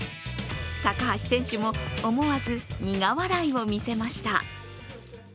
高橋選手も思わず苦笑いを見せました。